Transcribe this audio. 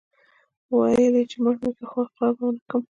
ويل يې چې مړ مې که خو اقرار به ونه کم.